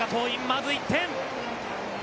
まず１点。